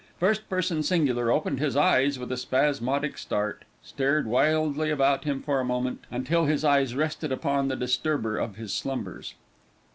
First person singular opened his eyes with a spasmodic start, stared wildly about him for a moment, until his eyes rested upon the disturber of his slumbers.